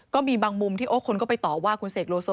ก็มีบางมุมที่โอ้คนก็ไปต่อว่าคุณเสกโลโซ